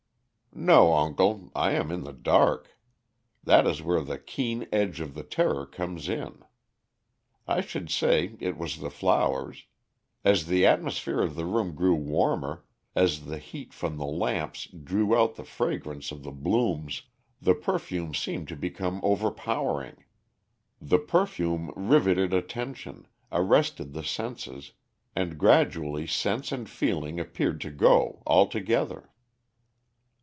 "No, uncle. I am in the dark. That is where the keen edge of the terror comes in. I should say it was the flowers. As the atmosphere of the room grew warmer, as the heat from the lamps drew out the fragrance of the blooms, the perfume seemed to become overpowering. The perfume riveted attention, arrested the senses, and gradually sense and feeling appeared to go altogether."